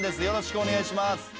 よろしくお願いします。